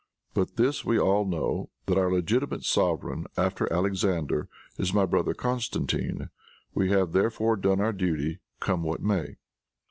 But this we all know, that our legitimate sovereign, after Alexander, is my brother Constantine. We have therefore done our duty, come what may."